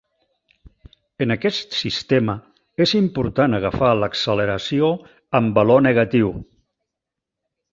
En aquest sistema és important agafar l'acceleració amb valor negatiu.